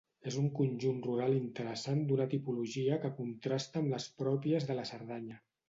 És un conjunt rural interessant d'una tipologia que contrasta amb les pròpies de la Cerdanya.